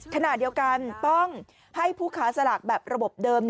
ขณะเดียวกันต้องให้ผู้ค้าสลากแบบระบบเดิม